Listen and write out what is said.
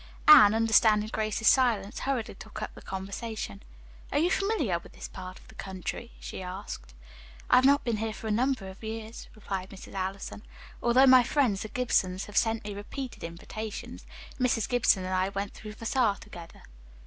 Anne, understanding Grace's silence, hurriedly took up the conversation. "Are you familiar with this part of the country?" she asked. "I have not been here for a number of years," replied Mrs. Allison, "although my friends, the Gibsons, have sent me repeated invitations. Mrs. Gibson and I went through Vassar together."